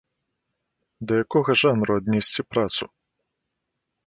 Да якога жанру аднесці працу?